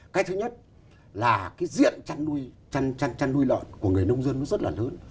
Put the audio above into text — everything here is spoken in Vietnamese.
cái thứ nhất là cái diện chăn nuôi lợn của người nông dân nó rất là lớn